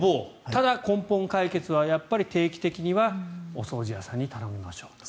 ただ、根本解決は定期的にはお掃除屋さんに頼みましょうと。